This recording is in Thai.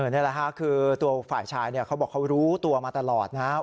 นี่แหละค่ะคือตัวฝ่ายชายเขาบอกเขารู้ตัวมาตลอดนะครับ